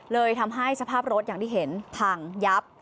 เลยทำให้สภาพรถอย่างที่เห็นพังยับ